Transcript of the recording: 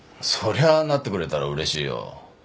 そりゃなってくれたらうれしいよ。